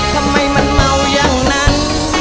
ทำไมมันเมาอย่างนั้น